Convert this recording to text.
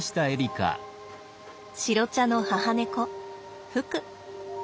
白茶の母猫ふく。